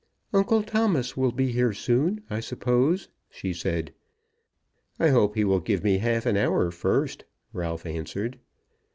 "Uncle Thomas will be here soon, I suppose," she said. "I hope he will give me half an hour first," Ralph answered.